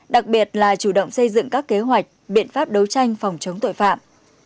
đặc biệt là chủ động xây dựng các kế hoạch biện pháp đấu tranh phòng chống tội phạm